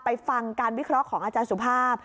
ฟังการวิเคราะห์ของอาจารย์สุภาพ